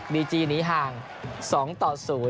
ีจีหนีห่าง๒ต่อ๐